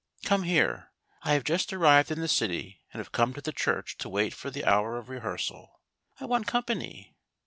Come here. I have just arrived in the city, and have come to the church to wait for the hour, of rehearsal. I want company.